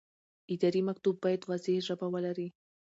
اداري مکتوب باید واضح ژبه ولري.